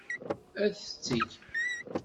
Ad t-teg.